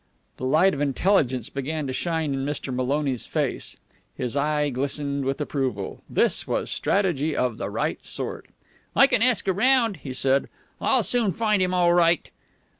The light of intelligence began to shine in Master Maloney's face. His eye glistened with approval. This was strategy of the right sort. "I can ask around," he said. "I'll soon find him all right."